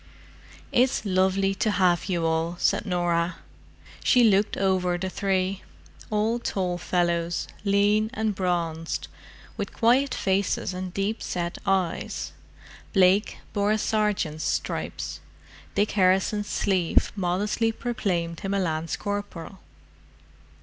"It's lovely to have you all," said Norah. She looked over the three—all tall fellows, lean and bronzed, with quiet faces and deep set eyes, Blake bore a sergeant's stripes; Dick Harrison's sleeve modestly proclaimed him a lance corporal.